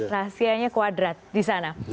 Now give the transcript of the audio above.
rahasianya kuadrat di sana